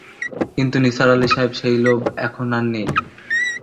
কিন্তু নিসার আলি সাহেব, সেই লোভ এখন আর নেই।